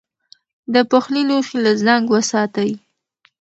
د پخلي لوښي له زنګ وساتئ.